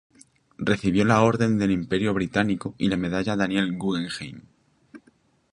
Recibió la Orden del Imperio Británico y la Medalla Daniel Guggenheim.